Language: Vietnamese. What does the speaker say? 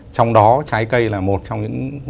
trong đó trái cây là một trong những